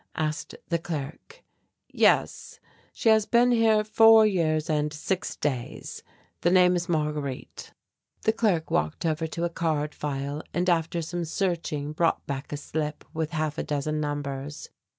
asked the clerk. "Yes, she has been here four years and six days. The name is Marguerite." The clerk walked over to a card file and after some searching brought back a slip with half a dozen numbers.